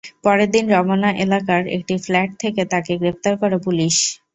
পরের দিন রমনা এলাকার একটি ফ্ল্যাট থেকে তাঁকে গ্রেপ্তার করে পুলিশ।